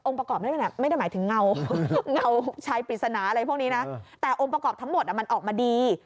ประกอบนั่นแหละไม่ได้หมายถึงเงาชายปริศนาอะไรพวกนี้นะแต่องค์ประกอบทั้งหมดมันออกมาดี